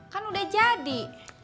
kan udah jadi